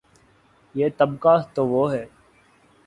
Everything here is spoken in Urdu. یہ طبقہ تو وہ ہے۔